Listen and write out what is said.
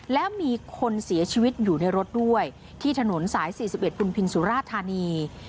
แล้วมีคนเสียชีวิตอยู่ในรถด้วยที่ถนนสาย๔๑พุนพินสุราธานี